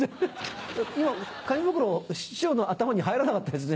今紙袋師匠の頭に入らなかったですね。